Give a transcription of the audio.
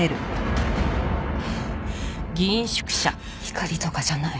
怒りとかじゃない。